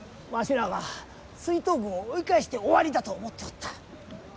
わしらは追討軍を追い返して終わりだと思っておった。